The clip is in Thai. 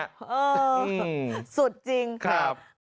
เออสุดจริงครับ